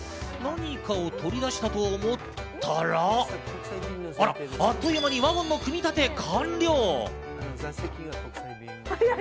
何かを取り出したと思ったらあら、あっという間にワゴンの組み立て完了。